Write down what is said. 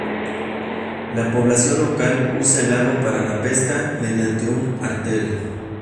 La población local usa el lago para la pesca mediante un artel.